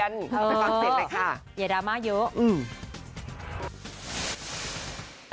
ไปฟังเสร็จเลยค่ะอย่าดราม่าเยอะอืม